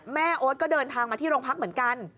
โอ๊ตก็เดินทางมาที่โรงพักเหมือนกัน